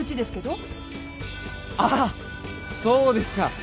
あっそうでした。